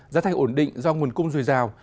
giá thành ổn định do nguồn cung dùi rào